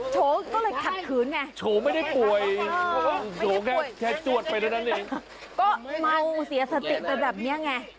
ทุกนิวมัวเสียสติไปแบบนี้ไง